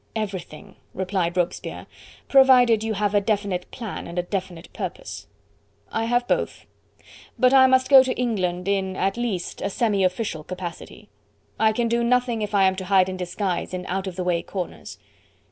"Everything," replied Robespierre, "provided you have a definite plan and a definite purpose. "I have both. But I must go to England in, at least, a semi official capacity. I can do nothing if I am to hide in disguise in out of the way corners."